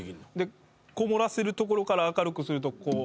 こもらせるところから明るくするとこう。